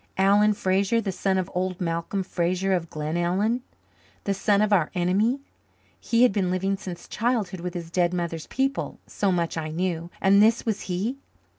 Alan Fraser, the son of old Malcolm Fraser of Glenellyn! The son of our enemy! He had been living since childhood with his dead mother's people, so much I knew. And this was he!